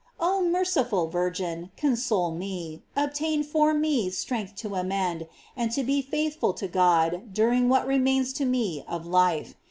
Oh merciful Virgin, con sole me; obtain for me strength to amend, and to &e faithful to God during what remains to me of life.